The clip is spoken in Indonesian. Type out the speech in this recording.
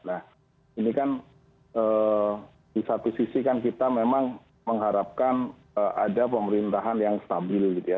nah ini kan di satu sisi kan kita memang mengharapkan ada pemerintahan yang stabil gitu ya